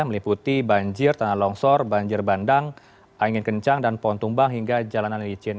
meliputi banjir tanah longsor banjir bandang angin kencang dan pohon tumbang hingga jalanan licin